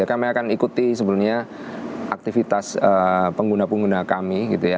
kami akan ikuti sebelumnya aktivitas pengguna pengguna kami gitu ya